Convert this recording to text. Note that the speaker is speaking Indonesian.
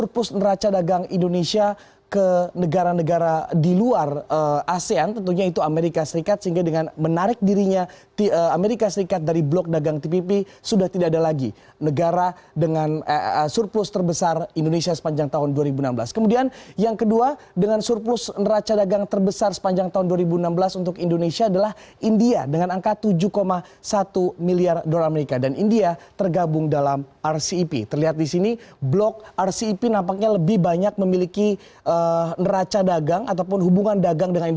tiongkok dan juga thailand